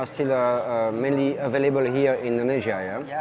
dan kebanyakan dari mereka masih ada di indonesia